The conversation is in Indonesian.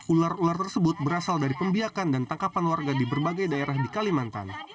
ular ular tersebut berasal dari pembiakan dan tangkapan warga di berbagai daerah di kalimantan